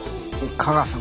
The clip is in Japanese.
架川さん